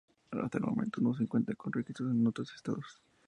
Hasta el momento no se cuenta con registros en otros estados.